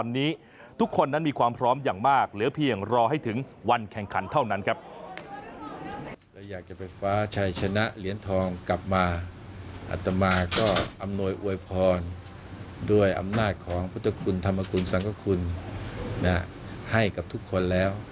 ตอนนี้อำนาจของพุทธคุณธรรมคุณสังกคุณให้กับทุกคนแล้ว